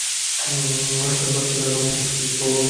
Cyber সেলের রামমূর্তিকে call কর।